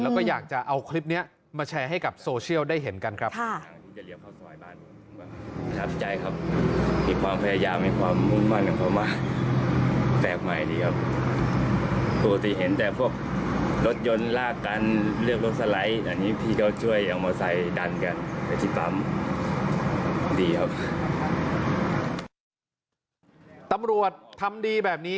แล้วก็อยากจะเอาคลิปนี้มาแชร์ให้กับโซเชียลได้เห็นกันครับ